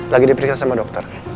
lagi diperiksa sama dokter